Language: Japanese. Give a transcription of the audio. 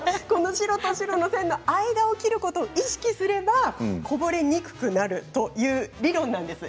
白と白の線の間を切ることを意識するとこぼれにくくなるという理論なんです。